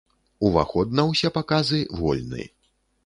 Уваход на ўсе паказы вольны.